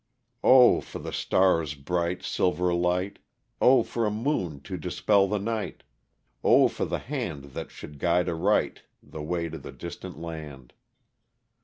Oh ! for the star's bright silver light ! Oh ! for a moon to dispel the night ! Oh ! for the hand that should guide aright The way to the distant land